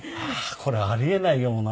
これありえないような。